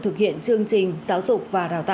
thực hiện chương trình giáo dục và đào tạo